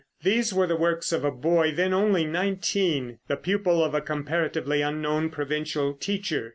These were the work of a boy then only nineteen, the pupil of a comparatively unknown provincial teacher.